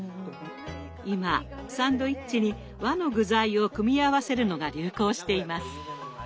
今サンドイッチに和の具材を組み合わせるのが流行しています。